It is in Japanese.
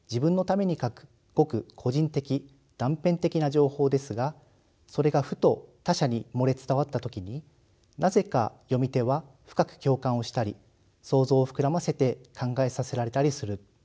情報ですがそれがふと他者に漏れ伝わった時になぜか読み手は深く共感をしたり想像を膨らませて考えさせられたりする。